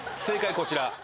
正解こちら。